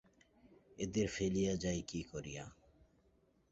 এদের ফেলিয়া যাই কী করিয়া?